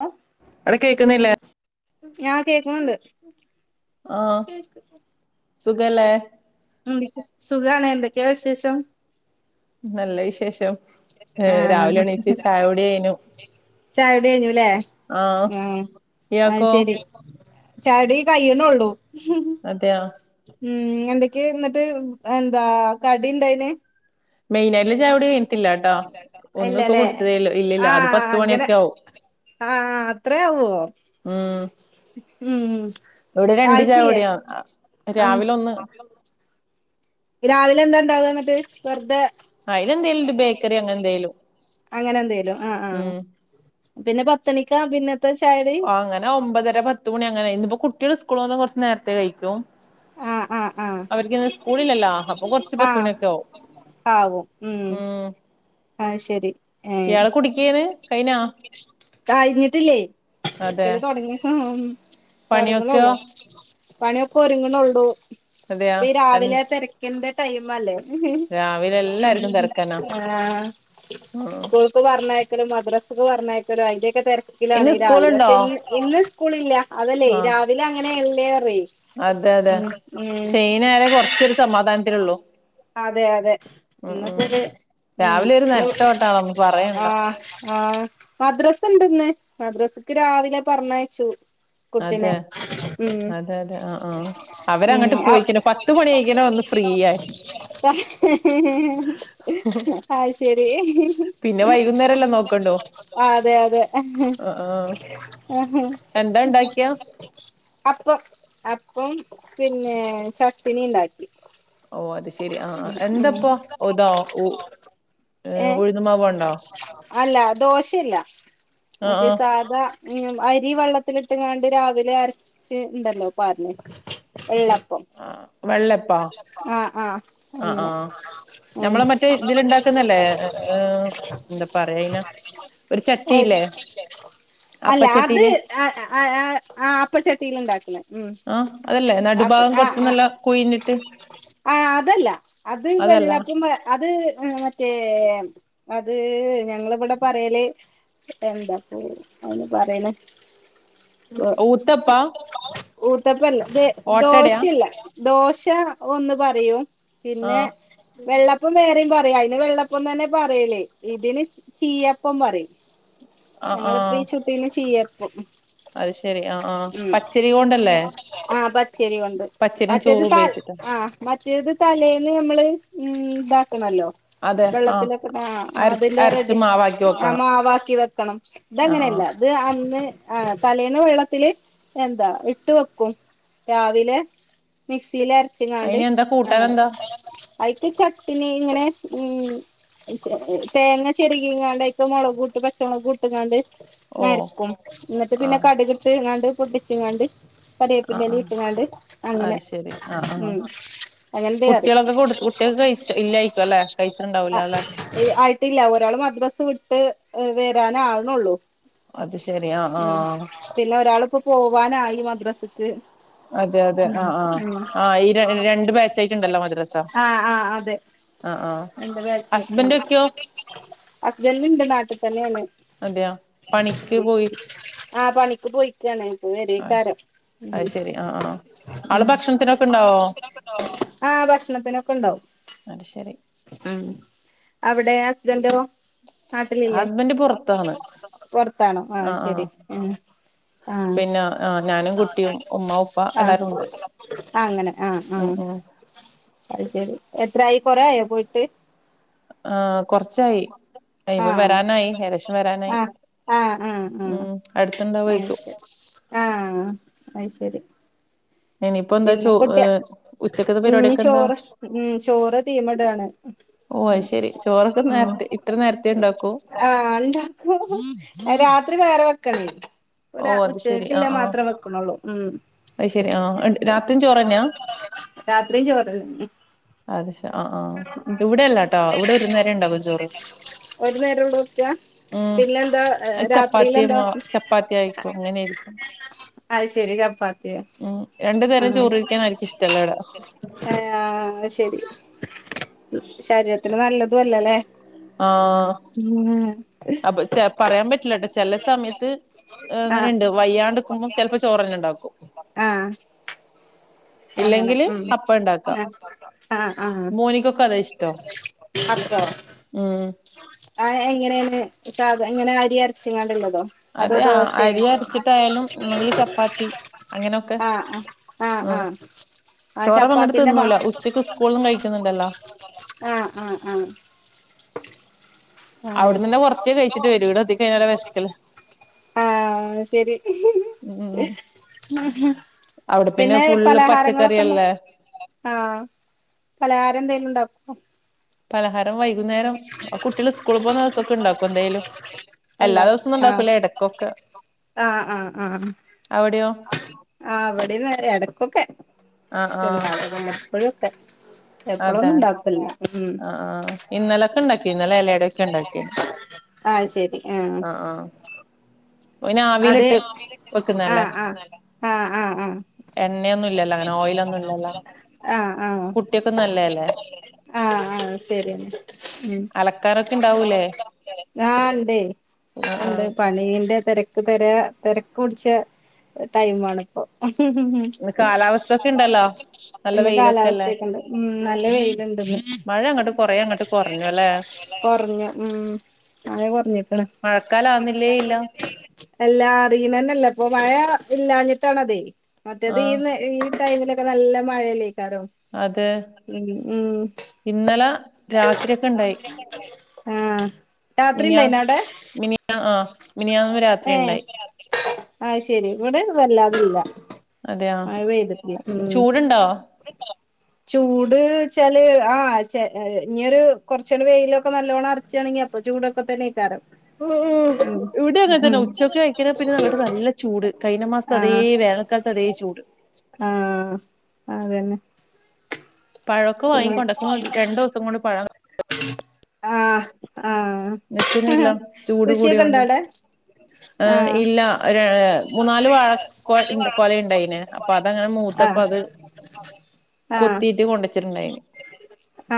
Hello അവിടെ കേക്കുന്നില്ലേ ഞാൻ കേക്കണുണ്ട് ആഹ് സുഖല്ലേ [unintelligible] സുഖാണ് എന്തൊക്കെയ വിശേഷം നല്ല വിശേഷം ഏഹ് രാവിലെ ആഹ് എണീച്ച് ചായാകൂടി കയ്യിഞ്ഞു ചായകൂടി കഴിഞ്ഞുല്ലേ മ് ആഹ് അത് ഇയാക്കോ ശെരി ചാടികൂടി കയ്യണെ ഉള്ളൂ അതെയ ഉം [inaudible] എന്നിട്ട് എന്താ കടിയുണ്ടായിന് മെയിനായിട്ടുള്ള ചായകുടി കഴിഞ്ഞിട്ടില്ലാട്ടോ ഒന്നും ഇപ്പൊ ഇല്ലല്ലേ കുടിച്ചതേള്ളൂ ഇല്ലില്ല അത് ആഹ് പത്ത് അങ്ങനെ മണിയൊക്കെ ആവും ആഹ് അത്രെയാവോ ഉം ഉം ഇവിടെ രണ്ട് ആയിട്ടില്യ ചായകുടിയാ ആം രാവിലെ ഒന്ന് രാവിലെ എന്താ ഉണ്ടാകുക എന്നിട്ട് വെറുതെ അയിലെന്തേലുണ്ട് ബേക്കറി അങ്ങനെ എന്തേലും അങ്ങനെ എന്തേലും ആഹ ആഹ് ഉം പിന്നെ പത്തണിക്ക പിന്നെ ആഹ അങ്ങനെ ഒമ്പതര പത് മണി അങ്ങനെ ഇന് ഇപ്പോ കുട്ടികൾ സ്കൂൾൽ വന്ന കുറച്ച് നേരത്തെേ കഴിക്കും ആഹ് ആഹ് ആഹ് അവർക്ക്ന്ന് സ്കൂളിലല്ലാ അപ്പൊ കൊറച്ച് പത്ത് ആഹ് മണിയൊക്കെോവും ആവും മ് ആഹ ശരി ഏ ഇയാള് കുടിക്കേന്ന് കൈനാ കഴിഞ്ഞിട്ടില്ലേ അതെ ഒരിക്കല് തുടങ്ങി പണിയൊക്കെയോ തുടങ്ങലുള്ളു പണിയൊക്കെ ഒരുങ്ങുന്നുള്ളൂ അതെയാ ഇപ്പ ഈ എൻ രാവിലെ തിരക്കിന്റെ ടൈം അല്ലേ രാവിലെ എല്ലാർക്കും തിരക്കന്നാ [inaudible] ഉം സ്കൂൾക്ക് പറഞ്ഞയക്കലും മദ്രാസക്ക് പറഞ്ഞയക്കലും അതിന്റെയൊക്കെ തിര ക്കിലാണ് ഇന്ന് രാവിലെ സ്കൂളുണ്ടോ പക്ഷെ ഇ ഇന്ന് സ്കൂളില്ല അതല്ലേ ആഹ് രാവിലെ അങ്ങനെ ഉള്ളേറി അതെ അതെ ഷൈന ആലേ കുറച്ചൊരു സമാധാനത്തിലള്ളൂ അതെ അതെ എന്നന്ന ഉം രാവിലെ ഒരു നെട്ടോട്ടാണ് പറയണ്ട ആഹ് ആഹ് മദ്രസ് ഉണ്ടന്ന് മദ്രസക്ക് രാവിലെ പറഞ്ഞയച്ചു കുട്ടിനെ അതെ ഉം അതെ അതെ ആഹ് ആഹ് ഉം അവരങ്ങട്ട് ഞാൻ പോയിക്കണ് അറിഞ്ഞിട്ട് ‌പോയി പത്ത് മണി ആയിക്കണ് ഒന്ന് ഫ്രീ ആയി [inaudible] ആഹ് ശരി പിന്നെ വൈകുന്നേരംല്ലോ നോക്കണ്ടോ അതെ അതെ എന്താ ഇണ്ടാക്കിയ അപ്പ അപ്പം പിന്നെ ചട്ടണി ഉണ്ടാക്കി ഓ അത് ശെരി ആഹ് എന്തപ്പ ഉതാ ഏഹ് ഉഴുന്നുമാവണ്ടോ അല്ല ദോശയില്ല ആഹ് മറ്റേ ആഹ് സാധാ ഉം അരി വെള്ളത്തിലിട്ട്ങ്ങാണ്ട് രാവിലെ അര ചേര്ണ്ടല്ലോ പറഞ്ഞ വെള്ളപ്പം ആഹ് വെള്ളപ്പാ ആഹ് ആഹ് ആഹ് അങ്ങനെ ആഹ് ഉം നമ്മള് മറ്റേ ഇതിലണ്ടാര് തന്നല്ലേ ഏഹ് ഏഹ് എന്താ പറയാ ഇന ഒരു ചട്ടില്ലേ [inaudible] അപ്പച്ചട്ടിയില് ആഹ് ആഹ് ആഹ് അപ്പച്ചട്ടിയില ഉണ്ടാക്കുണ ആഹ് അതല്ലേ നടുഭാഗം കൊറച്ച് നല്ല കുഴഞ്ഞിട്ട് ആഹ് അതല്ല അത് അതല്ല വെള്ളപ്പം അത് മ ഏഹ് അത് ഞങ്ങളിവിടെ പറയല് എന്താ പോ അന്ന് പറയണ ഓ ഊത്തപ്പാ ഊട്ടപ്പല്ല ഓട്ടടയാ ദോശല്ല ദോശ ഒന്ന് പറയും പിന്നെ ആഹ് വെള്ളപ്പം വേറെയും പറയാ വെള്ളപ്പം തന്നെ പറയലേ ഇതിന് ചീയപ്പം പറയും ആഹ് ഞങ്ങളിപ്പി ആഹ് ചുട്ട് ഇതിന് ചീയ്യപ്പം അത് ശെരി ആഹ് ആഹ്പച്ചരി കൊണ്ടല്ലേ ആഹ് പച്ചേരി ഉണ്ട് പച്ചരിയും മറ്റേത് ചോറും പാൽ ഉപയോഗിച്ചിട്ടാ ആഹ് മറ്റേത് തലേന്ന് നമ്മള് ഉം ഇതാക്കണല്ലോ അതെ ആഹ് വെള്ളത്തിലൊക്കെട്ട് അരച്ച് ആദ്യംഅതിന്റെ അരച്ച് റെഡിഷ് മാവാക്കി ആഹ് വെക്കണം മാവാക്കി വെക്കണം ആഹ് ഇതങ്ങനെയല്ല ആഹ് അത് അന്ന് ആഹ് തലേന വെള്ളത്തില് എന്താ ഇട്ട് വെക്കും രാവിലെ മിക്സിൽ അരച്ചിുങ്ങാണ്ട് അയിനെന്താ അങ്ങനെ കൂട്ടാനെന്താ അയിക്ക് ചട്ടിനി ഇങ്ങനെ ഉം തേങ്ങ ചെറുകിയങ്ങാണ്ട്ക്ക മുളക് കൂട്ട് പച്ചമുളക് കൂട്ടുംങ്ങാണ്ട് ഓഹ് ങ്ങരക്കും എന്നിട്ട് പിന്നെ ആഹ് കട കിട്ട് ഇങ്ങാണ്ട് പൊട്ടിച്ച ഇങ്ങാണ്ട് ആഹ് കരിയേപ്പിന്റെലീം ആഹ് ട്ട്ങ്ങാണ്ട് അങ്ങനെ അത് ശെരി ആഹ് ആഹ് ഉം അങ്ങൻ ത്തെ കറി കുട്ടികൾ കയ്ച് ഇല്ലേയ്ക്കുഅല്ലേ കയ്ച്ണ് ണ്ടാവു ലല്ലേ ഏഹ് ആയിട്ടില്ല ഒരാള് മദ്രാസ് വിട്ട് വരാനാവ്ണൊള്ളു അത് ശെരി ആഹ് ഉം ആഹ് പിന്നെ ഒരാള്‌പ്പോ പോവാനായി മദ്രസ്ക്ക് അതെ അതെ ആഹ് ആഹ് ആഹ് ഈ രണ്ട് ബേച്ചായിട്ടുണ്ടല്ലോ മദ്രസ. ആഹ് ആഹ് അതെ ആഹ് ആഹ് രണ്ട് ഹസ്ബൻഡ് ബേച്ചായിട്ട്ണ്ട് ഒക്കെയോ അസ്ബന്റിണ്ട് നാട്ട്ത്തന്നെയാണ്. അതെയ പണിക്ക് പോയി ആഹ് പണിക്ക് പോയിക്കാണ് ഇപ്പൊ വരേക്കാരം അയ് ശെരി ഉം ആഹ് ആഹ് ആള് ഭക്ഷണത്തിനൊക്കെണ്ടാവോ ആ ഭക്ഷണത്തിനൊക്കെ ഉണ്ടാവും അത് ശെരി. ഉം അവിടെ ഹസ്ബന്റൊ? നാട്ടിലില്ലെ ഹസ്ബൻഡ് പുറത്താണ് പൊറത്താണോ ആഹ് ശെരി ആഹ് ആഹ് പിന്നെ ആഹ് ഞാനും കുട്ടിയും ഉമ്മ ഉപ്പ ആഹ് എല്ലാരും ഉണ്ട് അങ്ങന ആഹ് ഉം ആഹ് ഉം അത് ശെരി എത്രായി കൊറേ ആയോ പോയിട്ട് ആഹ് കൊറച്ചായി അ ആ ഇപ്പ വരാനായി ഏകദേശം വരാനായി. ആ ആ ഉം അടുത്ത്ണ്ടാവോയിക്കും ആഹ് അത് ശെരി ഇനിയിപ്പോ എന്താ പിന്നെ ചോ കുട്ട്യേ ഉച്ചക്കത്തെ പരിപാടിയൊക്കെ എന്താ ഉംചോറ് ഉം ചോറ് തീമ് ടാണ്. ഓ ഉം അത് ശെരി ചോറൊക്കെ ഉം നേരത്തെ ഇത്ര നേരത്തെ ഉണ്ടാക്കൂ ആഹ് ണ്ടാക്കും രാ ത്രി വേറെ വെക്കണേയ് ഓ ഒരാ അത് ശെരി ഉച്ചക്കിള്ളെ ആഹ് ആഹ് മാത്രേ വെക്ക്ണൊള്ളൂ ഉം അത് ശെരി ആഹ് രാത്രിയും ചോറന്നെയാ? രാത്രീം ചോറ് അത് ശ ആഹ് ആഹ് ഇവിടയല്ലാട്ടോ വ്ടെ ഒരു നേരേ ണ്ടാവു ചോറ് ഒരു നേരംള്ളൂ വെക്ക ഉം പിന്നെ എന്താ രാത്രിൽ അചപ്പാത്തി എന്താ മാ ചപ്പാത്തി ആയിക്കും അങ്ങനേരിക്കും. അത് ശെരി ചപ്പാത്തിയാ ഉം രണ്ടു നേരോം ചോറ ഴിക്കാനെനിക്ക് ഇഷ്ടല്ലെടാ ആഹ് അത് ശെരി ശരീരത്തിന് നല്ലതു അല്ലലേ? ആഹ് അപ്പൊ ചെ പറയാൻ പറ്റില്ലട്ടൊ ചെല സമയത്ത് ആഹ് അങ്ങനെണ്ട് വയ്യാണ്ട്ക്കുമ്പം ചെലപ്പൊ ചോറന്നെണ്ടാക്കും. ചും [unintelligible] അങ്ങനെ മം അപ്പം ഇണ്ടാക്കാ ആഹ് ആഹ് ആഹ് മോനിക്കൊക്കെ അതാ ഇഷ്ടം മക്കളോ ഉം ആഹ് എങ്ങനേണ് സാധ ങ്ങനെ അരി അരച്ച്ങ്ങാണ്ട്ള്ളതൊ? അതൊ അതെ ദോശേ? അരി അരച്ചിട്ടായാലും ഒന്നെങ്കില് ചപ്പാത്തി ആഹ് ആഹ് ആഹ് ആഹ് ചോറൊന്നങ്ങ്ട്ട് ത്തിന്നൂല ഉച്ചക്ക് സ്കൂളിന്നും കഴിക്കുന്നുണ്ടല്ലൊ? ആഹ് ആഹ് ആഹ് അങ്ങനെ അവ്ടനന്നെ കൊറച്ചേ കഴിച്ചിട്ടേ വരൂ വ്ടെത്തി കഴ്ഞ്ഞാലേ വെശക്കല്ലെ ആഹ് ശെരി ഉം അവിടെ പിന്നെ ഫുള്ള് പലഹാരങ്ങളൊക്കെള്ള പച്ചക്കറിയല്ലേ ആഹ് പലഹാരന്തേലും ണ്ടാക്കൊ? പലഹാരം വൈകുന്നേരം ആഹ് കുട്ട്യേള് സ്കൂള് പോകുന്ന നേരത്തൊക്കെണ്ടാക്കോ എന്തേലും എല്ലാ ദെവസോന്നുണ്ടാക്കൂല എട ക്കൊക്കെ ആഹ് ആഹ് ആഹ് ആഹ് ഇവെടീം തന്നെ എടക്കൊക്കെ ആഹ് ഇല്ല ആഹ് വല്ലപ്പോഴൊക്കെ എപ്പളൊന്നും ഉണ്ടാക്കൂല്ല ഉം ആഹ് ഇന്നലെ ക്കെണ്ടാക്കീന്നലെ എലയടേക്കെ ണ്ടാക്കി ആ ശരി ആ ആഹ് ആഹ് അതെ വെക്കുന്നല്ലേ ആഹ് ആഹ് ആഹ് ആഹ് ആഹ് എണ്ണയൊന്നും ഇല്ലല്ലോ അങ്ങനെ ഓയില ഒന്നും ഇല്ലല്ലോ. ആഹ ആ കുട്ടിയക്കെ നല്ലല്ലേ? ആഹ ആഹ ശരിന്നാ അലക്കാനൊക്കെ ഇണ്ടാവൂലേ ഉ ആഹ് ആ ആ ഉണ്ട് പ മീന്റെ തിരക്ക് തെര തെരക്ക് പുടിച്ച ടൈമാണിപ്പോ. [unintelligible] കാലാവസ്ഥൊക്കെ ഇണ്ടല്ലോ നല്ല ഇന്ന് വെയിലൊക്കെല്ലേ കാലാവസ്ഥയൊക്കെണ്ട് ഉം നല്ല വെയില് ഇണ്ട്ന്ന്. മഴ അങ്ങട്ട് കൊറേ അങ്ങട്ട് കൊറഞ്ഞു അല്ലെ കെറഞ്ഞ് ഉം മഴ കൊറഞ്ഞേക്ക്ണ് മഴക്കാലം ആവുന്നില്ലേ ഇല്ല എല്ലാം അറിയണന്നല്ല ഇപ്പൊ മഴ ഇല്ലാഞ്ഞിട്ടാണ് അതെയ് ആ മറ്റേത് ഈ ഈ ടൈമിലൊക്കെ നല്ല മഴല്ലേക്കാരം. അതെ ഉ ഉം ഇന്നലെ രാത്രിയൊക്കെ ഇണ്ടായി ആഹ് രാത്രി ഇണ്ടായ്നി അവ്ടെ? മിനിയ ആഹ് മിനിയാന്ന് രാത്രി ഏ ഇണ്ടായി അഹ് ശരി ഇവിടെ സുഖ ല്ലാതില്ല അതെയാ മഴ പെയ്തിട്ടില്ല ഉം ചൂടുണ്ടോ ചൂട് വെച്ചാല് ആ് ചെ ഇനിയെരു കൊറച്ചടെ വെയിലൊക്കെ നല്ലോണം അറ ച്ചാണങ്കി അപ്പൊ ചൂടക്കൊ തന്നെ [unintelligible] [unintelligible] ഇവിടെ [unintelligible] ഉച്ചക്ക് കഴിക്കണ പിന്നെ അങ്ങട്ട് നല്ല ചൂട്. കഴിഞ്ഞ മാസത്ത് അതേ വേനക്കാലത്ത് അതേ ചൂട്. ആഹ് ആ അതന്നെ പഴക്കെ വാങ്ങി പിന്നെ കൊണ്ടക്കുമ്പോ രണ്ട് ദിവസം കൊണ്ട് പഴ ആഹ ആഹ നിക്കുന്നില്ല ചൂട് കൂടിയോണ്ട് ് ആ ഇല്ല ര മൂന്ന നാല് വാഴ കൊല കൊലണ്ടായിന് അപ്പൊ അതങ്ങനെ മൂത്തപ്പ അത് [inaudible] ആ കൊത്തീട്ട് കൊണ്ടുവച്ചിട്ടുണ്ടായിന്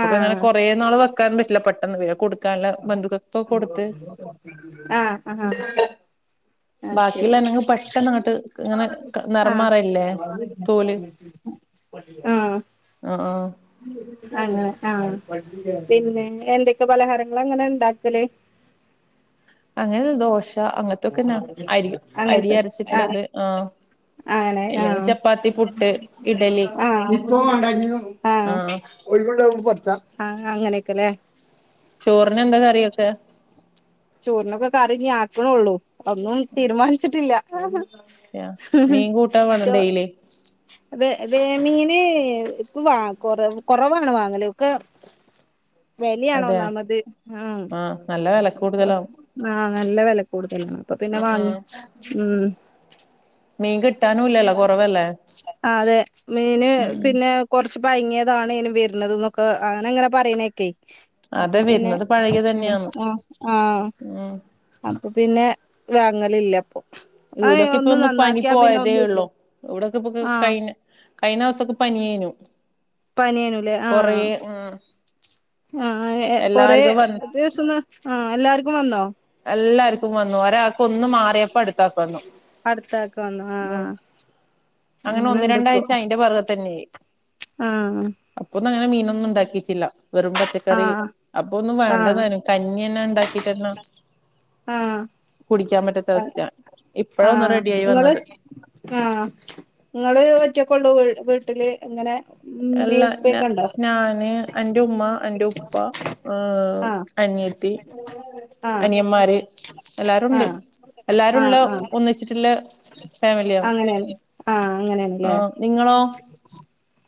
ആ അങ്ങനെ കൊറ നാള് വെക്കാൻ പറ്റില്ല പെട്ടെന്ന് [unintelligible] കൊടുക്കാനുള്ള ബന്ധുക്ക ആഹ് ആഹാ ആഹ് ശരി ബാക്കിയുള്ള അനങ്ങ് പെട്ടെന്ന് അങ്ങോട്ട് ഇങ്ങനെ നെറം ആഹ് മാറല്ലേ തോല് ആഹ ആ ആ അങ്ങനെ ആ പിന്നെ എന്തൊക്കെ പലഹാരങ്ങള അങ്ങനെ ഉണ്ടാക്കല്? അങ്ങനെ ദോശ അങ്ങനത്തൊക്കെന്നാ അരി അരി അരച്ചിട്ടുള്ളത്. ആ ആങ്ങനെ ആഹ് ഇഡലി ആ ആഹ് ആഹ് ഒഴിവുണ്ടാവുമ്പം പറിച്ച ആ അങ്ങനെയൊക്കെല്ലേ ചോറിന് എന്താ കറിയൊക്കെ? ചോറിനൊക്കെ കറി ഇഞ്ഞി ആക്കണള്ളൂ ഒന്നും തീരുമാനിച്ചിട്ടില്ല. യാ മീൻ കൂട്ടാൻ വേണം ഡെയിലി വെ വെമീന് ഇപ്പം വ കൊറ കൊറവാണ് വാങ്ങല് ഒക്കെ അതെ വെലിയാണോന്നാമത്, ആഹ് നല്ല വില കൂടുതലാവും ആഹ് നല്ല വെല കൂടുതലാണ് അപ്പൊ പിന്നെ ഉം വാങ്ങി. ഉം ഉം മീൻ കിട്ടാനുംല്ലല്ലോ കെറവല്ലേ? ആഹ് അതെ മീന് പിന്നെ കൊർച്ച് പയ്ങ്ങിയതാണേനും വരുന്നത് ന്നൊക്കെ അങ്ങന അങ്ങനെ പറിണേക്കെ അപ്പൊ അതെ പിന്നെ വരുന്നത് പഴകിയ ഉം തന്നെയാന്ന് ആഹ് ആഹ് ഉം അപ്പൊ പിന്നെ വാങ്ങല് ഇല്ല ഇപ്പൊ ഈടൊക്കെ ഇപ്പൊ ഒന്ന് പനി പോ പോയതേ ഉള്ളു ഇവ്ടൊക്കെ ഇപ്പൊ ആഹ് കഴിഞ്ഞ കഴിഞ്ഞോസൊക്കെ പനി ഏനു. പനിയേനുലേ ആഹ് ആഹ് ഏഹ് കൊറേ എല്ലാർക്കും വന്ന് ദിവസംന്ന് ആഹ് എല്ലാർക്കും വന്നോ എല്ലാർക്കും വന്നു ഒരാക്ക് ഒന്ന് മാറിയപ്പ അടുത്താക്ക് വന്നു. അടുത്താക്ക്‌ വന്നു ഉം ആഹ് അങ്ങനെ ഒന്ന് അങ്ങനെണ്ട് ഇപ്പൊ രണ്ടാഴ്ച അയിന്റെ പൊർകെ തന്നെയ് ആഹ് അപ്പൊന്നും അങ്ങനെ മീനൊന്നും ഇണ്ടാക്കീട്ടില്ല വെറും പച്ചക്ക ആഹ് അപ്പൊ ഒന്നും ആഹ് വേണ്ടതാനും കഞ്ഞിയെന്നെ ഇണ്ടാക്കിട്ടന്ന കുടിക്കാൻ പറ്റാത്ത അവസ്ഥയാ. ആഹ് ഇപ്പഴ ഒന്ന് ആഹ് റെഡി ആയി ഇങ്ങള് വന്നത്. ആഹ് ഇങ്ങള് ഒറ്റക്കൊള്ളു വി വീട്ടില് ഇങ്ങനെ എല്ല ഇമ്മീം ഞ ഇപ്പക്കെ ഇണ്ടോ? ഞാന്, എന്റെ ഉമ്മ, എന്റെ ഉപ്പ ഏഹ് ആഹ് അനിയത്തി, ആഹ് അനിയമ്മാര് എല്ലാരുണ്ട് ആഹ് എല്ലാരും ഉള്ള ഒന്നിച്ചിട്ടില്ല അങ്ങനെ ആഹ് അങ്ങനെയാണ്ല്ലേ ആഹ് നിങ്ങളോ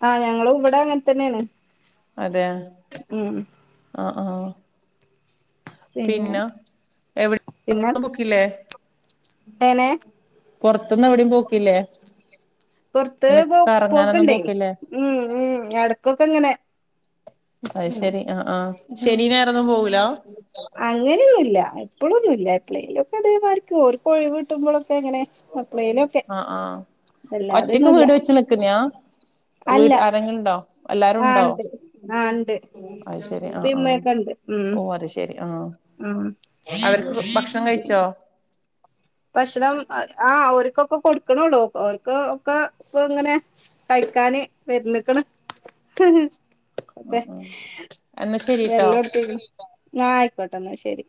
ആഹ് ഞങ്ങളും ഇവ്ടെ അങ്ങൻതന്നെയാണ്. അതെ ആഹ് ആഹ് പിന്നെ പിന്നാ എവിടെ പൊക്കില്ലേ ഏനെ പൊർത്തുന്ന് എവിടിം പൊർത്ത് ഇങ്ങനെ പോ കറങ്ങാനൊന്നും പോക്ക്ണ്ടേ പോക്കില്ലേ ഉം ഉം എട്ക്കൊക്കെ ഇങ്ങനെ അയ് ശരി ആഹ് ആഹ് ശനി ഞായറൊന്നും പോവുലാ അങ്ങനെയൊന്നുല്ല എപ്പ്ളൊന്നുല്ല എപ്പ്ളേലോക്കെ ഇതേമാരിക്ക്‌ ഓൽക് ഒഴിവ് കിട്ടുമ്പളൊക്കെങ്ങനെ എപ്പ്ളേ അഹ് ആഹ് ഒറ്റക്ക് വീട് വെച്ച് നിക്കുന്നയാ അല്ല വീട് ആരെങ്ങിലുണ്ടോ എല്ലാരും ആ ഉണ്ടോ ഇണ്ട് ആ ഇണ്ട് അയ്ശരി ആഹ് ഇപ്പീം ആഹ് ഇമ്മയൊക്കെ ഇണ്ട് ഉം ഓഹ് അത് ശരി ആഹ് ഉം അവർക്ക് ഭക്ഷണം കഴിച്ചോ ഭക്ഷ്ണം ആഹ് ഓർക്കൊക്കെ കൊട്ക്ക്ണ്ള്ളൂ ഓർക്ക് ഒക്കെ ഇപ്പൊ ഇങ്ങനെ കഴിക്കാന് വര്ന്ന്ക്ക്ണ് ആ പ്പെ ആ എന്നാ ശരിട്ടോ വേര്ലൊടത്തീക്ക്ണ് ന്നാ ആയിക്കോട്ടെ ന്നാ ശരി